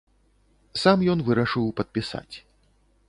Сам ён вырашыў падпісаць.